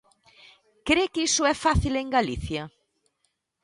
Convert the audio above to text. ¿Cre que iso é fácil en Galicia?